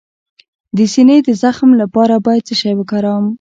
د سینې د زخم لپاره باید څه شی وکاروم؟